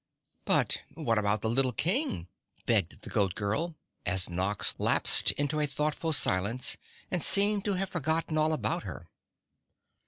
"But what about the little King?" begged the Goat Girl, as Nox lapsed into a thoughtful silence and seemed to have forgotten all about her.